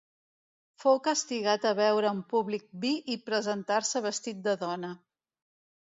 Fou castigat a beure en públic vi i presentar-se vestit de dona.